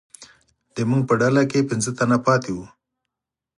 زموږ په ډله کې پنځه تنه پاتې وو.